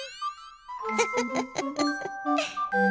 フフフフ。